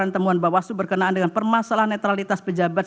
dan temuan bahwa itu berkenaan dengan permasalahan netralitas pejabat